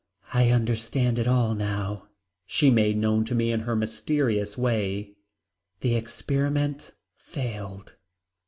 "I understand it all now," she made known to me in her mysterious way, "the experiment failed."